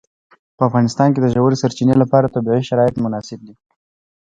په افغانستان کې د ژورې سرچینې لپاره طبیعي شرایط مناسب دي.